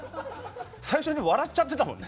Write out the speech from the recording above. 最初に笑っちゃってたもんね。